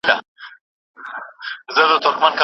که ژبه پردۍ وي نو زده کړه ټکنۍ کیږي.